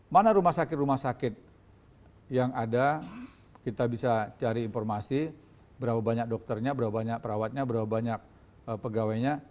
mana rumah sakit rumah sakit yang ada kita bisa cari informasi berapa banyak dokternya berapa banyak perawatnya berapa banyak pegawainya